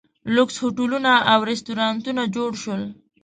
لوکس هوټلونه او ریسټورانټونه جوړ شول.